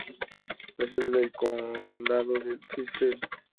La sede del condado es Pittsfield.